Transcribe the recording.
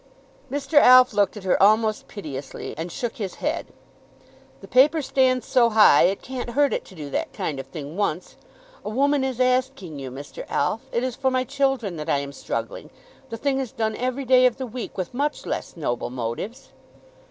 Mr. Alf looked at her almost piteously, and shook his head. "The paper stands so high, it can't hurt it to do that kind of thing once. A woman is asking you, Mr. Alf. It is for my children that I am struggling. The thing is done every day of the week, with much less noble motives."